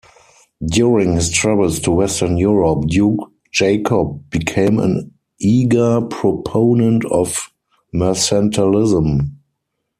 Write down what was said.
During his travels to Western Europe, Duke Jacob became an eager proponent of mercantilism.